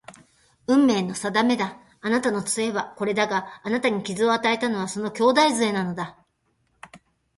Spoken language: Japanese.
運命の定めだ。あなたの杖はこれだが、あなたに傷を与えたのはその兄弟杖なのだ